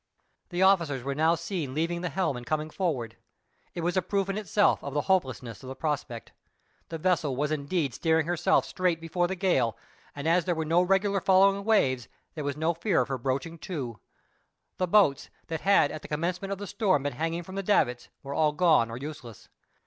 The officers were now seen leaving the helm and coming forward. It was a proof in itself of the hopelessness of the prospect. The vessel was indeed steering herself straight before the gale, and as there were no regular following waves there was no fear of her broaching to. The boats, that had at the commencement of the storm been hanging from the davits, were all gone or useless.